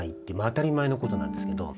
当たり前のことなんですけど。